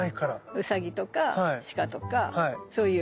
ウサギとかシカとかそういう。